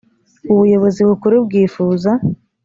ubuyobozi bukuru bwifuza